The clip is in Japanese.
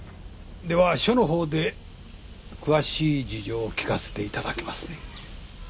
では署の方で詳しい事情を聞かせていただけますね？